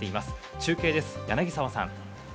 中継です、柳沢さん。